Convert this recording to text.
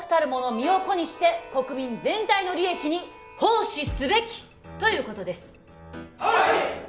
身を粉にして国民全体の利益に奉仕すべきということですはい！